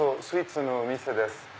スイーツのお店です。